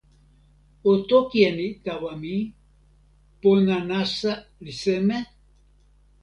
o toki e ni tawa mi: pona nasa li seme?